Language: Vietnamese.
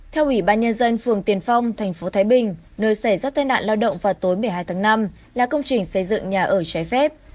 theo ủy ban nhân dân phường tiền phong tp thái bình nơi xảy ra tai nạn lao động vào tối một mươi hai tháng năm là công trình xây dựng nhà ở trái phép